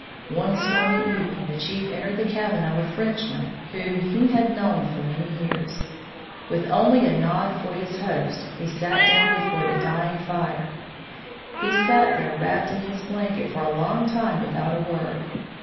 One stormy evening the chief entered the cabin of a Frenchman whom he had known for many years. With only a nod for his host he sat down before the dying fire. He sat there wrapt in his blanket for a long time without a word.